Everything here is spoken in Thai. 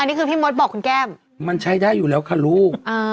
อันนี้คือพี่มดบอกคุณแก้มมันใช้ได้อยู่แล้วค่ะลูก